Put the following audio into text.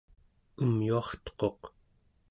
umyuartequq